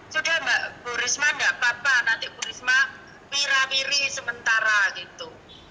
sudah enggak bu risma enggak apa apa nanti bu risma pira piri sementara gitu